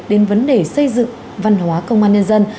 đến vấn đề xây dựng văn hóa công an nhân dân